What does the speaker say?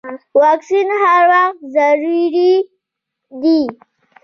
واکسین هر وخت ضروري دی.